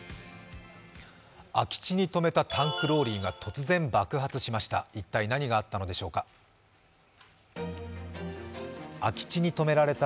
空き地に止めたタンクローリーが突然爆発しました。